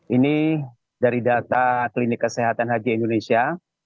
ini dari data klinik kesehatan haji indonesia